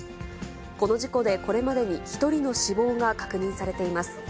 この事故で、これまでに１人の死亡が確認されています。